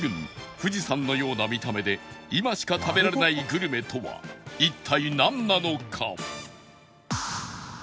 富士山のような見た目で今しか食べられないグルメとは一体なんなのか？